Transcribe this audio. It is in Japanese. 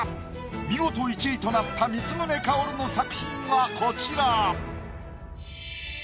見事１位となった光宗薫の作品がこちら。